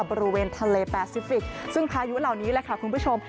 บริเวณทะเลแปซิฟิกซึ่งพายุเหล่านี้แหละค่ะคุณผู้ชม